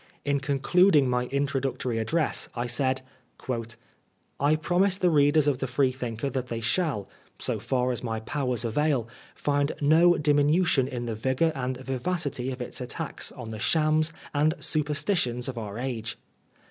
In concluding my introductory address I said :^ I promise the readers of the Freethinker that they shall, so far as my powers avail, find no duninution in the vigor and vivacity of its attacks on the shams and superstitions of onr age.